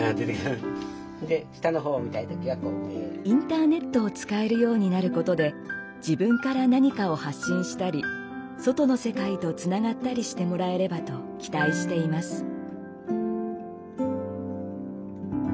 インターネットを使えるようになる事で自分から何かを発信したり外の世界とつながったりしてもらえればと期待しています。